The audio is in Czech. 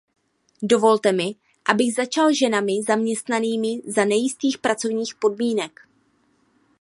Dovolte mi, abych začal ženami zaměstnanými za nejistých pracovních podmínek.